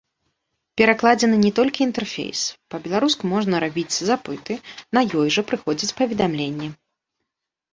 Перакладзены не толькі інтэрфейс, па-беларуску можна рабіць запыты, на ёй жа прыходзяць паведамленні.